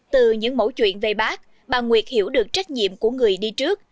từ những mẫu chuyện về bác bà nguyệt hiểu được trách nhiệm của người đi trước